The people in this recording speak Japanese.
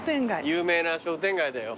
有名な商店街だよ